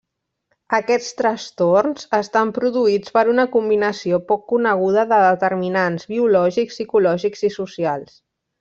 Aquests trastorns estan produïts per una combinació poc coneguda de determinants biològics, psicològics i socials.